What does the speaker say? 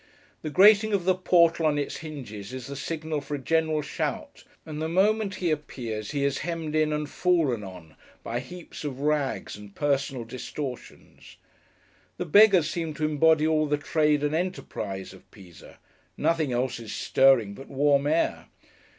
The grating of the portal on its hinges is the signal for a general shout, and the moment he appears, he is hemmed in, and fallen on, by heaps of rags and personal distortions. The beggars seem to embody all the trade and enterprise of Pisa. Nothing else is stirring, but warm air.